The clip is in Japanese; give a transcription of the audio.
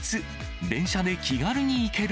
電車で気軽に行ける！